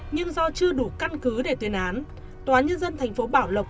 nhưng do chưa đủ căn cứ để tuyên án tòa nhân dân thành phố bảo lộc